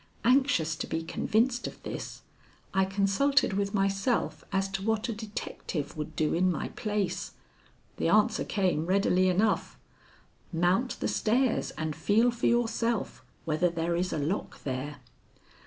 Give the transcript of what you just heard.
Anxious to be convinced of this, I consulted with myself as to what a detective would do in my place. The answer came readily enough: "Mount the stairs and feel for yourself whether there is a lock there."